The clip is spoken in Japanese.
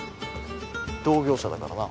同業者だからな。